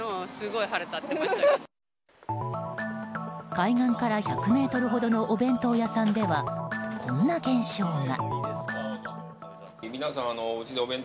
海岸から１００ｍほどのお弁当屋さんでは、こんな現象が。